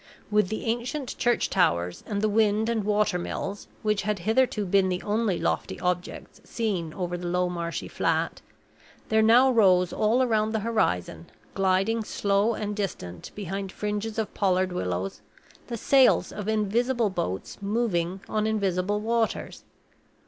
With the ancient church towers and the wind and water mills, which had hitherto been the only lofty objects seen over the low marshy flat, there now rose all round the horizon, gliding slow and distant behind fringes of pollard willows, the sails of invisible boats moving on invisible waters.